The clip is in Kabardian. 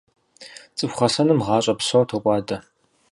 ЦӀыху гъэсэным гъащӀэ псо токӀуадэ.